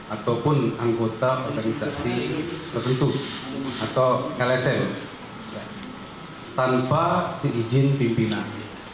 ataupun anggota organisasi tertentu atau lsm tanpa seizin pimpinan